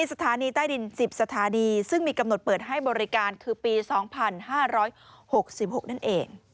จะเปิดให้บริการคือปี๒๕๖๖นั่นเอง